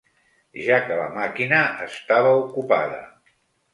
Ja que la màquina estava ocupada.